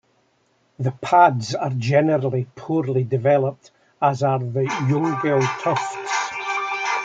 The pads are generally poorly developed, as are the ungual tufts.